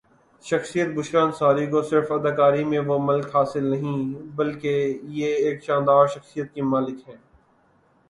شخصیت بشریٰ انصاری کو سرف اداکاری میں وہ ملک حاصل نہیں بال کی یہ ایک شاندرشخصیات کی بھی ملک ہیں